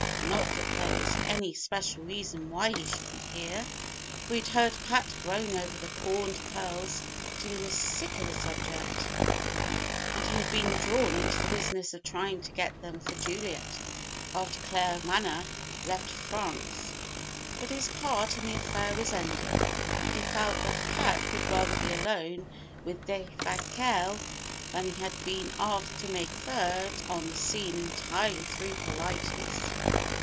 Not that there was any special reason why he shouldn't hear, for he'd heard Pat groan over the pawned pearls till he was sick of the subject; and he had been drawn into the business of trying to get them for Juliet after Claremanagh left France. But his part in the affair was ended, and he felt that Pat would rather be alone with Defasquelle; that he had been asked to make a third on the scene entirely through politeness.